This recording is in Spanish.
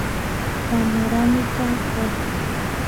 Panorámica Golf